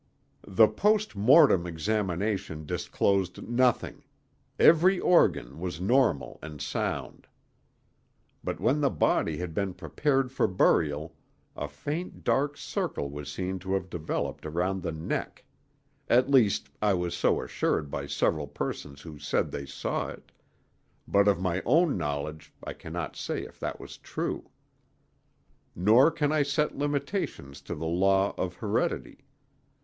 The post mortem examination disclosed nothing; every organ was normal and sound. But when the body had been prepared for burial a faint dark circle was seen to have developed around the neck; at least I was so assured by several persons who said they saw it, but of my own knowledge I cannot say if that was true. Nor can I set limitations to the law of heredity.